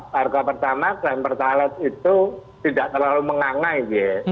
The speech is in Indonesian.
harga pertama klaim pertalite itu tidak terlalu mengangai gitu ya